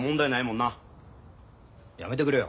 やめてくれよ。